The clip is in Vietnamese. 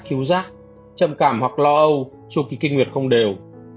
khiếu giác trầm cảm hoặc lo âu trù kỳ kinh nguyệt không đều